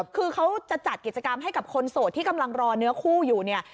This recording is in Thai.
คือเขาจะจัดกิจกรรมให้กับคนโสดที่กำลังรอเนื้อคู่อยู่เนี่ย